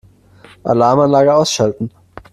Alarmanlage ausschalten.